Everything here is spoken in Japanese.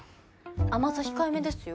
甘さ控えめですよ。